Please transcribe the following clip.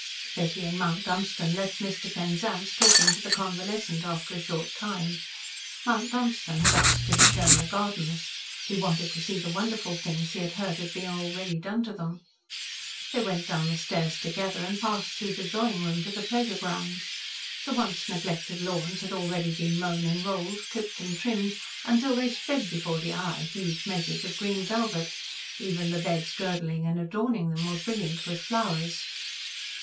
Betty and Mount Dunstan left Mr. Penzance talking to the convalescent after a short time. Mount Dunstan had asked to be shown the gardens. He wanted to see the wonderful things he had heard had been already done to them. They went down the stairs together and passed through the drawing room into the pleasure grounds. The once neglected lawns had already been mown and rolled, clipped and trimmed, until they spread before the eye huge measures of green velvet; even the beds girdling and adorning them were brilliant with flowers.